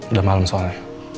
udah malem soalnya